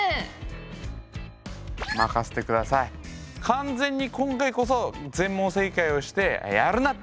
完全に今回こそ全問正解をして「やるな！」ってところをね